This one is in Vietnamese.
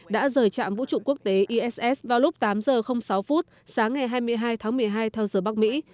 đã rời trạm vũ trụ quốc tế iss vào lúc tám giờ sáu phút sáng ngày hai mươi hai tháng một mươi hai theo giờ bắc mỹ